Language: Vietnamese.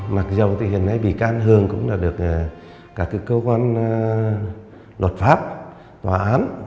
mặc dù thị hường bị can hường cũng được các cơ quan luật pháp tòa án